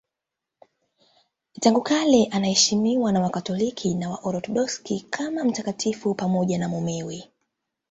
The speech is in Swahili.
Tangu kale anaheshimiwa na Wakatoliki na Waorthodoksi kama mtakatifu pamoja na mumewe.